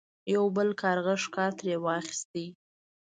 یو بل کارغه ښکار ترې واخیست.